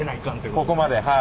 ここまではい。